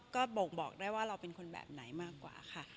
ขอบคุณมากค่ะ